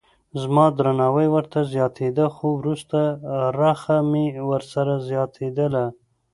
زما درناوی ورته زیاتېده خو وروسته رخه مې ورسره زیاتېدله.